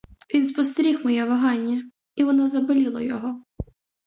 Він спостеріг моє вагання, і воно заболіло його.